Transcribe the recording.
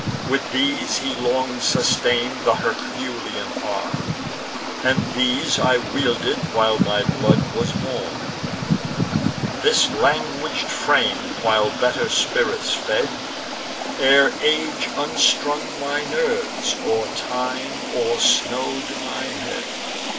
With these he long sustain'd th' Herculean arm; And these I wielded while my blood was warm, This languish'd frame while better spirits fed, Ere age unstrung my nerves, or time o'ersnow'd my head.